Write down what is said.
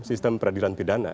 sistem peradilan pidana